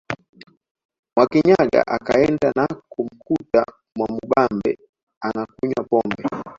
Mwakinyaga akaenda na kumkuta Mwamubambe anakunywa pombe